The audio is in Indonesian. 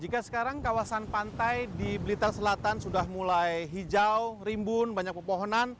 jika sekarang kawasan pantai di blitar selatan sudah mulai hijau rimbun banyak pepohonan